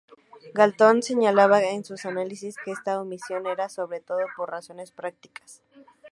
Galton señalaba en su análisis que esta omisión era sobre todo por razones prácticas.